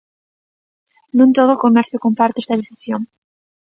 Non todo o comercio comparte esta decisión.